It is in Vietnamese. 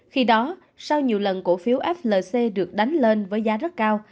khi đó sau nhiều lần cổ phiếu flc được đánh lên với giá rất cao